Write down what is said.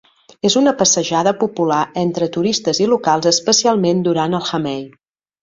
És una passejada popular entre turistes i locals, especialment durant el hanami.